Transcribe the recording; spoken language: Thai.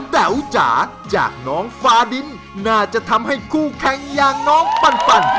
แต๋วจ๋าจากน้องฟาดินน่าจะทำให้คู่แข่งอย่างน้องปัน